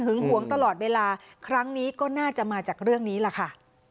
หวงตลอดเวลาครั้งนี้ก็น่าจะมาจากเรื่องนี้แหละค่ะ